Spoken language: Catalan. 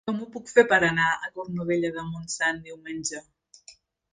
Com ho puc fer per anar a Cornudella de Montsant diumenge?